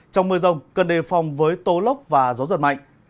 trong mưa rông cần đề phòng với tố lốc và gió giật mạnh